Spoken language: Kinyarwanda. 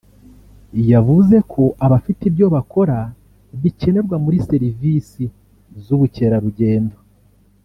yavuze ko abafite ibyo bakora bikenerwa muri serivisi z’ubukerarugendo